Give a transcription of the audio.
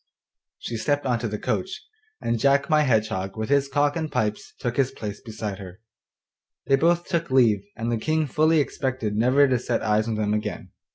She stepped into the coach, and Jack my Hedgehog with his cock and pipes took his place beside her. They both took leave, and the King fully expected never to set eyes on them again.